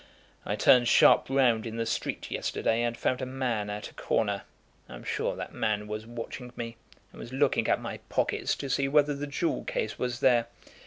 I turned sharp round in the street yesterday, and found a man at a corner. I am sure that man was watching me, and was looking at my pockets to see whether the jewel case was there.